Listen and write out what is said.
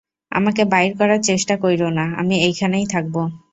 আমাকে বাইর করার চেষ্টা কইরো না, আমি এইখানেই থাকবো।